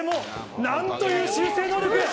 何という修正能力！